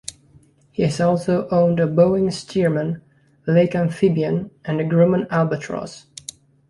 He has also owned a Boeing Stearman, Lake Amphibian and Grumman Albatross.